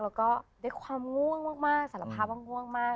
แล้วก็ด้วยความง่วงมากสารภาพว่าง่วงมาก